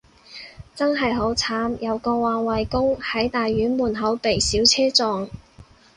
真係好慘，有個環衛工，喺大院門口被小車撞